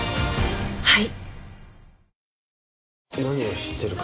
はい。